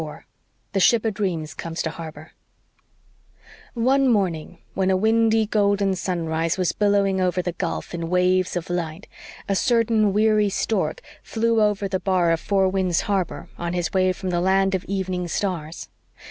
CHAPTER 34 THE SHIP O'DREAMS COMES TO HARBOR One morning, when a windy golden sunrise was billowing over the gulf in waves of light, a certain weary stork flew over the bar of Four Winds Harbor on his way from the Land of Evening Stars.